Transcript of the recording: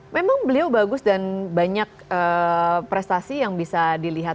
memang beliau bagus dan banyak prestasi yang bisa dilihat